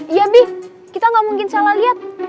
iya bi kita gak mungkin salah lihat